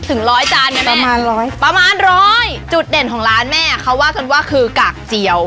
ถึง๑๐๐จานไหมแม่ประมาณ๑๐๐จุดเด่นของร้านแม่คือกากเจียว